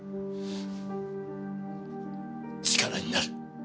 力になる。